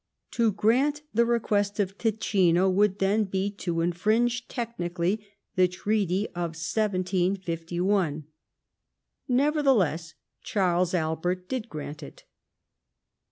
To grant the request of Ticino would, then, be to infringe, technically, the treaty of 1751. Nevertheless, Charles Albert did grant it.